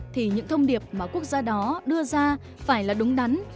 thì những thông điệp mà quốc gia đó đưa ra phải là đúng đắn